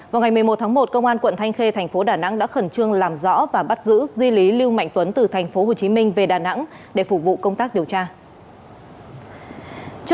vào ngày một mươi một tháng một công an quận thanh khê thành phố đà nẵng đã khẩn trương làm rõ và bắt giữ di lý lưu mạnh tuấn từ thành phố hồ chí minh về đà nẵng để phục vụ công tác điều tra